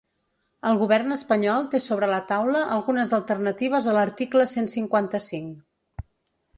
El govern espanyol té sobre la taula algunes alternatives a l’article cent cinquanta-cinc.